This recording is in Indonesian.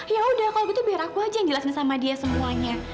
ya udah kalau gitu biar aku aja yang jelasin sama dia semuanya